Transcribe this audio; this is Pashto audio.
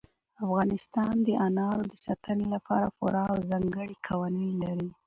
افغانستان د انارو د ساتنې لپاره پوره او ځانګړي قوانین لري.